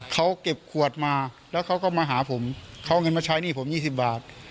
เขาเก็บขวดมาแล้วเขาก็มาหาผมเขาเอาเงินมาใช้หนี้ผม๒๐บาท